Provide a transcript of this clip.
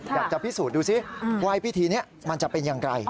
ต้องให้พิสูจน์ดูสิวายพิธีนี้มันจะเป็นอย่างไร